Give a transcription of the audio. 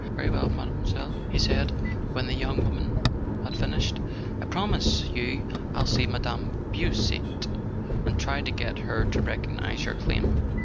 "Very well, Mademoiselle," he said, when the young woman had finished. "I promise you I'll see Mme. Beausite, and try to get her to recognize your claim."